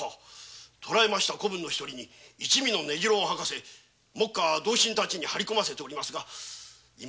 捕らえました子分の一人に一味の根城を吐かせ同心たちを張り込ませておりますが何の知らせも。